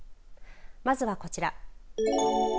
まずはこちら。